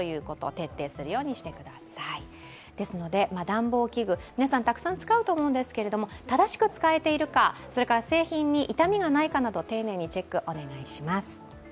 暖房器具、皆さんたくさん使うと思うんですけれども、正しく使えているか製品に傷みがないかなど丁寧にチェックお願いします。